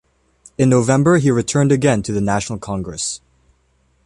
In November he returned again to the national congress.